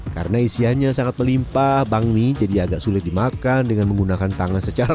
karena isiannya sangat melimpah bangmi jadi agak sulit dimakan dengan menggunakan tangan secara